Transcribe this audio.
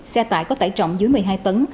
xe tải có tải trọng dưới một mươi hai tấn